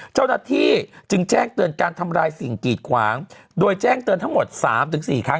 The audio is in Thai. เจ้าหน้าที่จึงแจ้งเตือนการทำลายสิ่งกีดขวางโดยแจ้งเตือนทั้งหมด๓๔ครั้ง